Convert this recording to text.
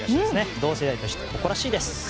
同世代として誇らしいです。